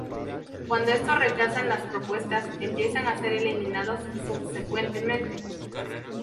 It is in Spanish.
Cuando estos rechazan las propuestas, empiezan a ser eliminados subsecuentemente.